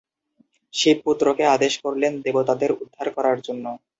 শিব পুত্রকে আদেশ করলেন দেবতাদের উদ্ধার করার জন্য।